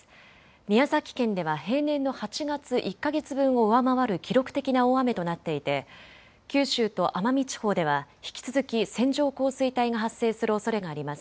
宮崎県では平年の８月１か月分を上回る記録的な大雨となっていて九州と奄美地方では引き続き線状降水帯が発生するおそれがあります。